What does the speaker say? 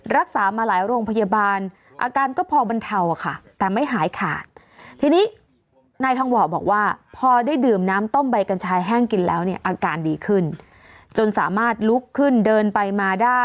รักษามาหลายโรงพยาบาลอาการก็พอบรรเทาค่ะ